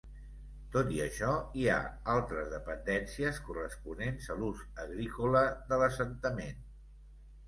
Tot i això hi ha altres dependències corresponents a l'ús agrícola de l'assentament.